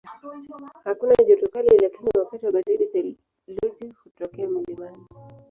Hakuna joto kali lakini wakati wa baridi theluji hutokea mlimani.